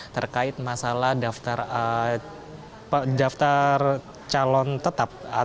terkait masalah daftar calon tetap